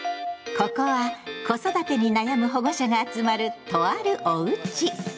ここは子育てに悩む保護者が集まるとある「おうち」。